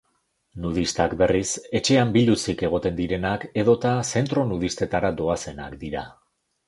Nudistak berriz, etxean biluzik egoten direnak edota zentro nudistetara doazenak dira.